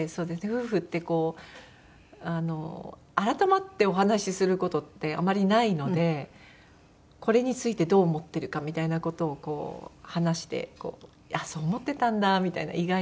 夫婦ってこう改まってお話しする事ってあまりないのでこれについてどう思ってるかみたいな事を話してそう思ってたんだみたいな意外な瞬間だった。